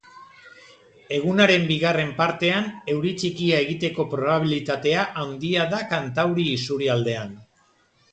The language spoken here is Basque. Egunaren bigarren partean euri txikia egiteko probabilitatea handia da kantauri isurialdean.